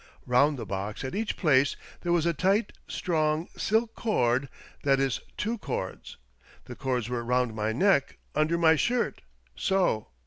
Bound the box at each place there was a tight, strong, silk cord — that is two cords. The cords were round my neck, under my shirt, so.